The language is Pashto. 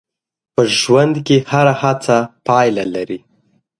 په ژوند کې هره هڅه پایله لري.